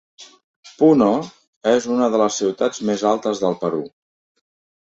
Puno és una de les ciutats més altes del Perú.